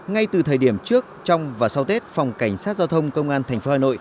ngay từ thời điểm trước trong và sau tết phòng cảnh sát giao thông công an tp hcm